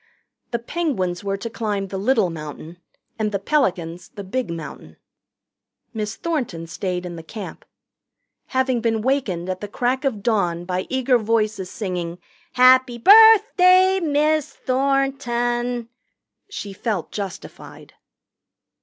The Penguins were to climb the Little Mountain, and the Pelicans the Big Mountain. Miss Thornton stayed in camp. Having been wakened at the crack of dawn by eager voices singing "Happy birthday, Miss Thornton," she felt justified.